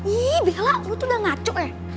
ih bella lo tuh udah ngacok ya